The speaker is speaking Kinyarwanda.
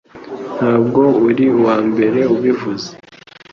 Ntabwo uri uwambere ubivuze